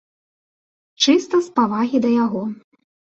Чыста з павагі да яго.